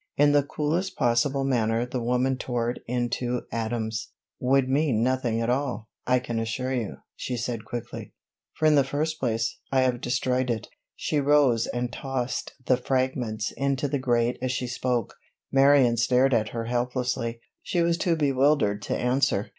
In the coolest possible manner the woman tore it into atoms. "Would mean nothing at all, I can assure you," she said quickly; "for in the first place, I have destroyed it." She rose and tossed the fragments into the grate as she spoke. Marion stared at her helplessly; she was too bewildered to answer.